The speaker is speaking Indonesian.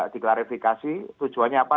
diklarifikasi tujuannya apa